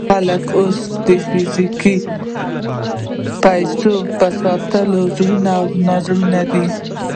خلک اوس د فزیکي پیسو په ساتلو کې زړه نا زړه دي.